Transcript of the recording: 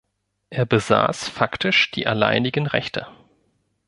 Er besaß faktisch die alleinigen Rechte.